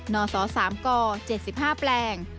นศ๓ก๗๕แปลง